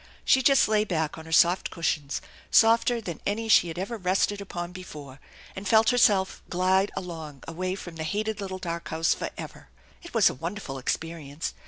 She just lay back on her soft cushions, softer than any she had ever rested upon before, and felt herself glide along away from the hated little dark house forever! It was a wonderful ex perience.